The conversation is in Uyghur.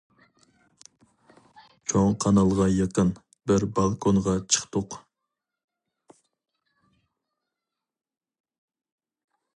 چوڭ قانالغا يېقىن بىر بالكونغا چىقتۇق.